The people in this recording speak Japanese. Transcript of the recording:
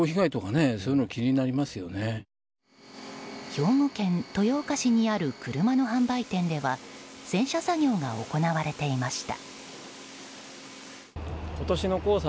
兵庫県豊岡市にある車の販売店では洗車作業が行われていました。